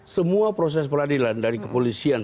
semua proses peradilan dari kepolisian